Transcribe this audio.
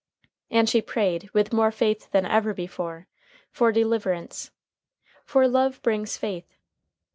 And she prayed, with more faith than ever before, for deliverance. For love brings faith.